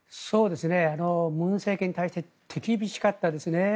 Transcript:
文政権に対して手厳しかったですね。